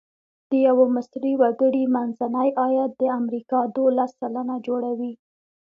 د یوه مصري وګړي منځنی عاید د امریکا دوولس سلنه جوړوي.